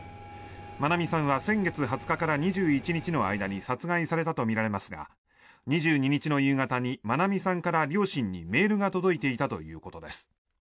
愛美さんは先月２０日から２１日の間に殺害されたとみられますが２２日の夕方に愛美さんから両親にメールが届いていたということです。